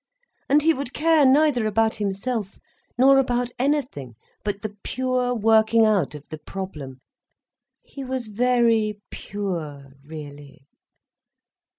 And he would care neither about himself nor about anything but the pure working out of the problem. He was very pure, really.